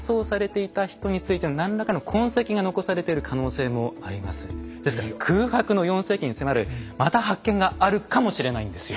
その中からまたあるいはですから空白の４世紀に迫るまた発見があるかもしれないんですよ。